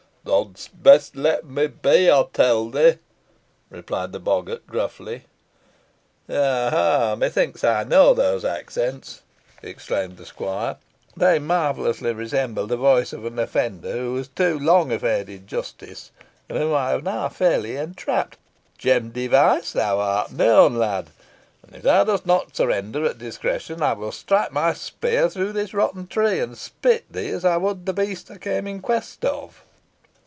"Thoud'st best lem me be, ey tell thee," replied the boggart gruffly. "Ah! methinks I should know those accents," exclaimed the squire; "they marvellously resemble the voice of an offender who has too long evaded justice, and whom I have now fairly entrapped. Jem Device, thou art known, lad, and if thou dost not surrender at discretion, I will strike my spear through this rotten tree, and spit thee as I would the beast I came in quest of."